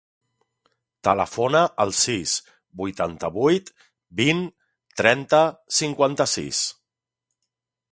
Telefona al sis, vuitanta-vuit, vint, trenta, cinquanta-sis.